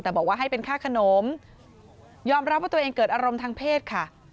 แต่บอกว่าให้เป็นค่าขนมยอมรับว่าตัวเองเกิดอารมณ์ทางเพศค่ะ